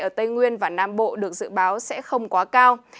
ở tây nguyên và nam bộ được dự báo sẽ không quá cao